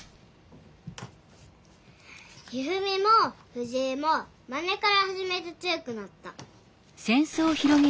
一二三も藤井もマネから始めて強くなった。